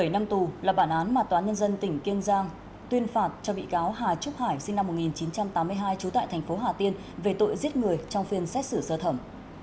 một mươi năm tù là bản án mà tòa án nhân dân tỉnh kiên giang tuyên phạt cho bị cáo hà trúc hải sinh năm một nghìn chín trăm tám mươi hai trú tại thành phố hà tiên về tội giết người trong phiên xét xử sơ thẩm